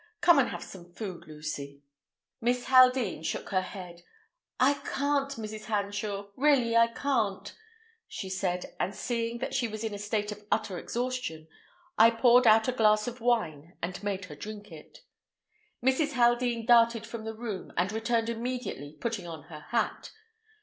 Come and have some food, Lucy." Miss Haldean shook her head. "I can't, Mrs. Hanshaw—really I can't," she said; and, seeing that she was in a state of utter exhaustion, I poured out a glass of wine and made her drink it. Mrs. Haldean darted from the room, and returned immediately, putting on her hat.